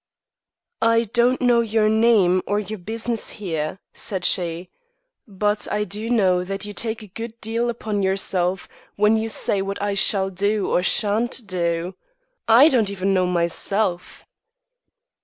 "I don't know your name, or your business here," said she; "but I do know that you take a good deal upon yourself when you say what I shall do or shan't do. I don't even know, myself."